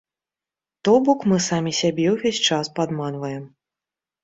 То бок мы самі сябе ўвесь час падманваем.